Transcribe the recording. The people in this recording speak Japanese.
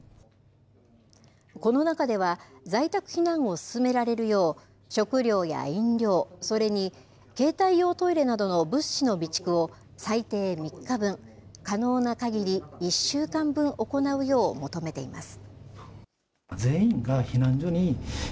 この中では、在宅避難を進められるよう、食料や飲料、それに携帯用トイレなどの物資の備蓄を最低３日分、可能なかぎり１週間分行うよう求めています。